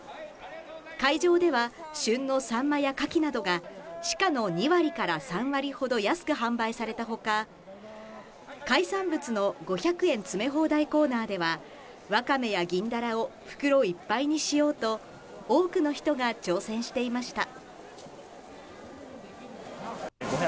会場では旬のサンマやカキなどが市価の２割から３割ほど安く販売されたほか、海産物の５００円詰め放題コーナーでは、ワカメやギンダラを袋いっぱいにしようと多くの人が挑戦していました。